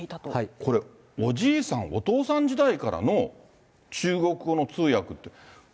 これ、おじいさん、お父さん時代からの、中国語の通訳。